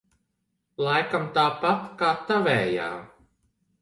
Laikam tāpat kā tavējā?